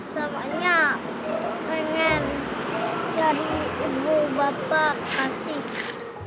bapaknya pengen cari ibu bapak kasih